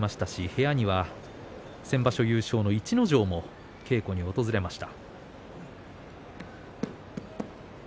部屋には先場所優勝の逸ノ城も稽古に訪れました。